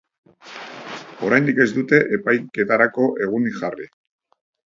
Oraindik ez dute epaiketarako egunik jarri.